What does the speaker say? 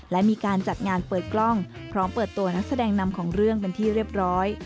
และมีการจัดงานเปิดกล้องพร้อมเปิดตัวนักแสดงนำของเรื่องเป็นที่เรียบร้อย